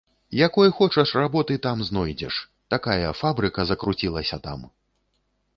Якой хочаш работы там знойдзеш, такая фабрыка закруцілася там!